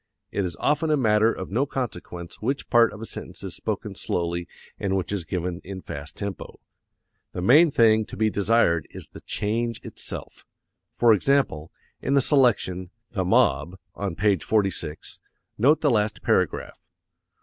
It is often a matter of no consequence which part of a sentence is spoken slowly and which is given in fast tempo. The main thing to be desired is the change itself. For example, in the selection, "The Mob," on page 46, note the last paragraph.